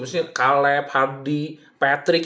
misalnya caleb hardy patrick